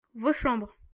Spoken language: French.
vos chambres.